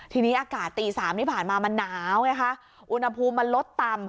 ทีนี้อากาศตี๓ที่ผ่านมามันหนาวไงคะอุณหภูมิมันลดต่ำ